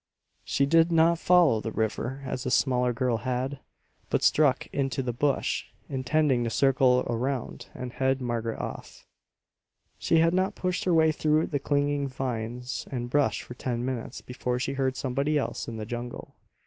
She did not follow the river as the smaller girl had, but struck into the bush, intending to circle around and head Margaret off. She had not pushed her way through the clinging vines and brush for ten minutes before she heard somebody else in the jungle.